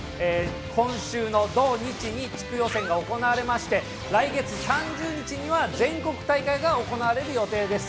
今週の土日に地区予選が行われまして、来月３０日には全国大会が行われる予定です。